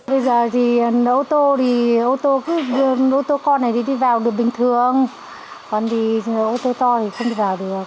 bây giờ thì ô tô con này đi vào được bình thường còn ô tô to thì không đi vào được